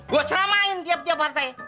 gue ceramain tiap tiap partai